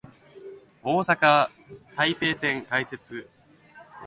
大阪・台北線開設